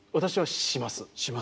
します。